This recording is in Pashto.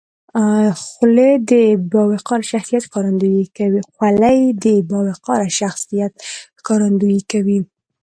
خولۍ د باوقاره شخصیت ښکارندویي کوي.